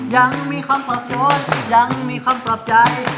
ยังมีคำประโยชน์ยังมีคำประใจ